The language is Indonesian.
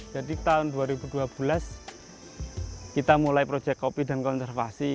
jadi tahun dua ribu dua belas kita mulai proyek kopi dan konservasi